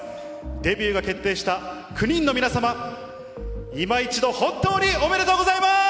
デビューが決定した９人の皆様、今一度、本当におめでとうございます。